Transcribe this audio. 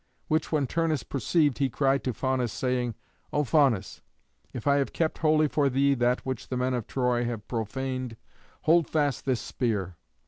Which when Turnus perceived, he cried to Faunus, saying, "O Faunus, if I have kept holy for thee that which the men of Troy have profaned, hold fast this spear."